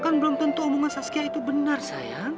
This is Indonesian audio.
kan belum tentu omongan saskia itu benar saya